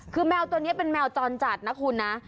คือแมวตัวนี้เป็นแมวจรจัดนะคุณนะ